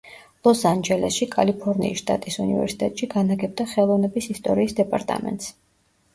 ლოს-ანჯელესში, კალიფორნიის შტატის უნივერსიტეტში, განაგებდა ხელოვნების ისტორიის დეპარტამენტს.